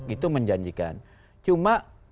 itu menjanjikan cuma